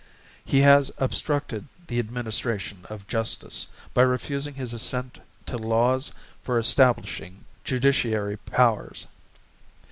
He has obstructed the Administration of Justice, by refusing his Assent to Laws for establishing Judiciary Powers.